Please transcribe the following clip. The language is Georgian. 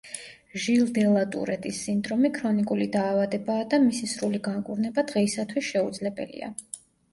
ჟილ დე ლა ტურეტის სინდრომი ქრონიკული დაავადებაა და მისი სრული განკურნება დღეისათვის შეუძლებელია.